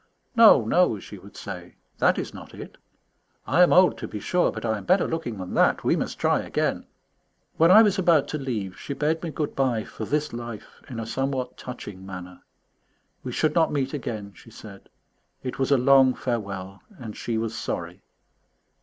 "No, no," she would say, "that is not it. I am old, to be sure, but I am better looking than that. We must try again." When I was about to leave she bade me good bye for this life in a somewhat touching manner. We should not meet again, she said; it was a long farewell, and she was sorry.